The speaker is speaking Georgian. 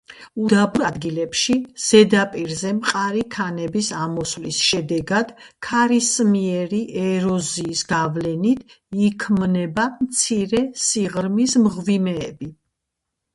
უდაბურ ადგილებში, ზედაპირზე მყარი ქანების ამოსვლის შედეგად ქარისმიერი ეროზიის გავლენით იქმნება მცირე სიღრმის მღვიმეები.